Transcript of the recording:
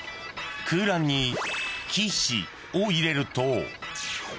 ［空欄に「きし」を入れると］